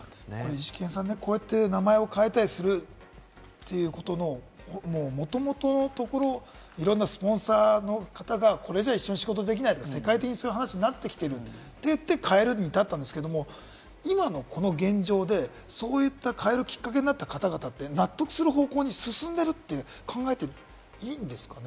イシケンさん、こうやって名前を変えたりするということのもともとのところ、いろんなスポンサーの方がこれじゃ一緒に仕事できないとか、世界的にそういう話になってきているって言って変えるに至ったんですけれども、今のこの現状でそういった変えるきっかけになった方々って納得する方向に進んでるって考えていいんですかね？